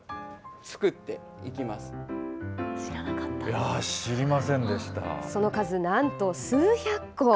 いやー、その数、なんと数百個。